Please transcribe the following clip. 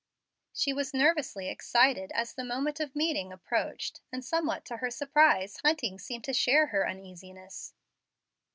She was nervously excited as the moment of meeting approached, and, somewhat to her surprise, Hunting seemed to share her uneasiness.